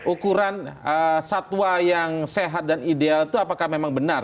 ukuran satwa yang sehat dan ideal itu apakah memang benar